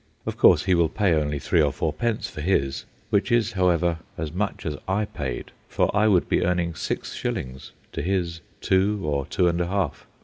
Of course, he will pay only three or four pence for his; which is, however, as much as I paid, for I would be earning six shillings to his two or two and a half.